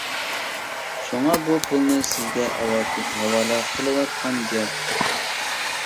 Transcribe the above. شۇڭا بۇ پۇلنى سىزگە ئەۋەتىپ ھاۋالە قىلىۋاتقان گەپ.